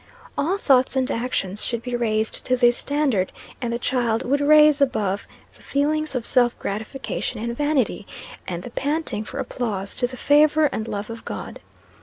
All thoughts and actions should be raised to this standard; and the child would raise above the feelings of self gratification and vanity, and the panting for applause, to the favor and love of God.